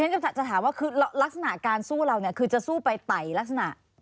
จะถามว่าคือลักษณะการสู้เราเนี่ยคือจะสู้ไปไต่ลักษณะ